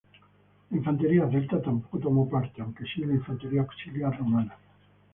La infantería celta tampoco tomó parte aunque si la infantería auxiliar romana.